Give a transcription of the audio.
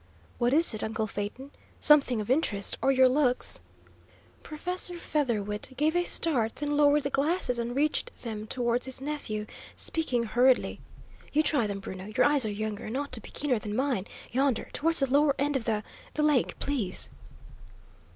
"What is it, uncle Phaeton? Something of interest, or your looks " Professor Featherwit gave a start, then lowered the glasses and reached them towards his nephew, speaking hurriedly: "You try them, Bruno; your eyes are younger, and ought to be keener than mine. Yonder; towards the lower end of the the lake, please."